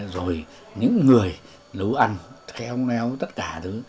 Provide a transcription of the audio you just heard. rồi những người nấu ăn kheo nheo tất cả thứ